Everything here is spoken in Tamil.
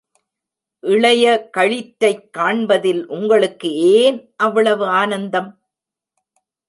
இளைய களிற்றைக் காண்பதில் உங்களுக்கு ஏன் அவ்வளவு ஆனந்தம்?